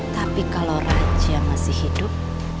tapi kalau raja masih hidup